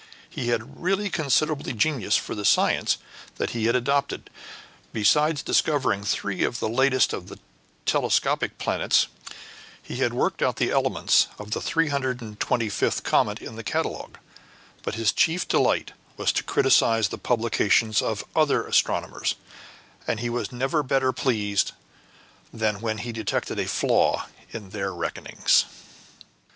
He had really considerable genius for the science that he had adopted; besides discovering three of the latest of the telescopic planets, he had worked out the elements of the three hundred and twenty fifth comet in the catalogue; but his chief delight was to criticize the publications of other astronomers, and he was never better pleased than when he detected a flaw in their reckonings.